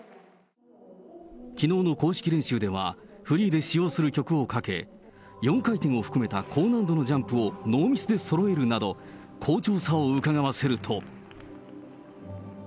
きのうの公式練習ではフリーで使用する曲をかけ、４回転を含めた高難度のジャンプをノーミスでそろえるなど、好調さをうかがわせると。